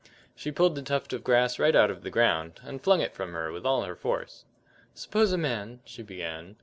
She pulled the tuft of grass right out of the ground, and flung it from her with all her force. "Suppose a man " she began.